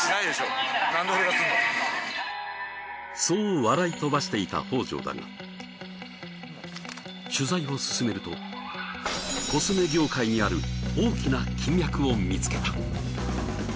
そう笑い飛ばしていた北條だが取材を進めるとコスメ業界にある大きな金脈を見つけた。